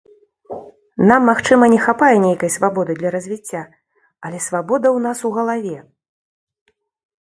Нам, магчыма, не хапае нейкай свабоды для развіцця, але свабода ў нас у галаве.